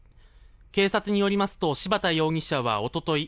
警察によりますと柴田容疑者はおととい